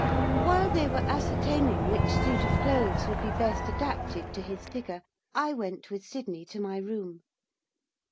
While they were ascertaining which suit of clothes would be best adapted to his figure, I went with Sydney to my room.